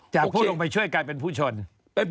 ผู้ลงไปช่วยกลายเป็นผู้ชน